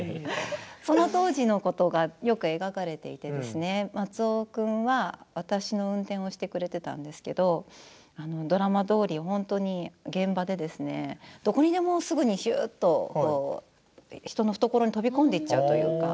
その当時のことがよく描かれていて松尾君は私の運転をしてくれていたんですけどドラマどおり本当に現場でどこにでもすぐに、しゅーっと人の懐に飛び込んでいっちゃうというか、